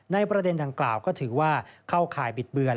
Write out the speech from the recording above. ประเด็นดังกล่าวก็ถือว่าเข้าข่ายบิดเบือน